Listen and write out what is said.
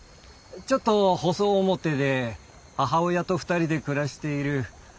ちょっと細面で母親と２人で暮らしている。